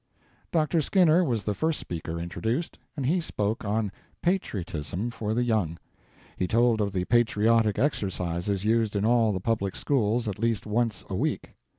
Dr. Skinner was the first speaker introduced, and he spoke on "Patriotism for the Young." He told of the patriotic exercises used in all the public schools at least once a week.